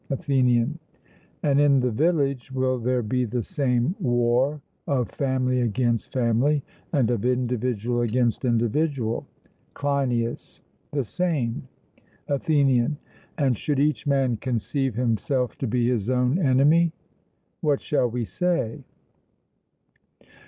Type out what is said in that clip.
ATHENIAN: And in the village will there be the same war of family against family, and of individual against individual? CLEINIAS: The same. ATHENIAN: And should each man conceive himself to be his own enemy: what shall we say?